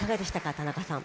田中さん。